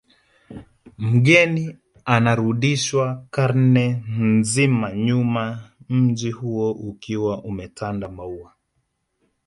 Mgeni anarudishwa karne nzima nyuma mji huo ukiwa umetanda maua